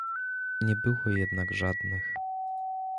"Nie było jednak żadnych."